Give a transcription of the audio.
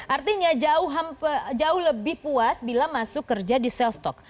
artinya jauh lebih puas bila masuk kerja di sel stok